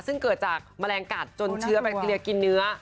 ซึ่งเกิดจากแมลงกัดจนเชื้อแบคทีเรียกินเนื้อ